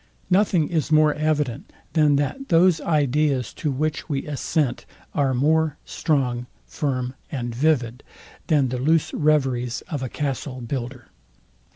Nothing is more evident, than that those ideas, to which we assent, are more strong, firm and vivid, than the loose reveries of a castle builder.